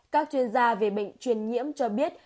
các chuyên gia về bệnh truyền nhiễm cho biết